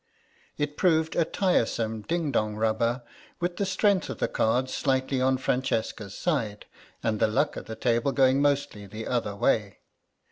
It proved a tiresome ding dong rubber, with the strength of the cards slightly on Francesca's side, and the luck of the table going mostly the other way.